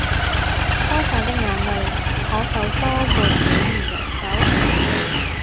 多賺的眼淚可否多換幾年陽壽？